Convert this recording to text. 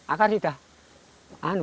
akar sudah merambah banyak